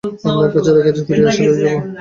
আপনার কাছেই রাখিয়া যাই, ফিরিয়া আসিয়া লইয়া যাইব।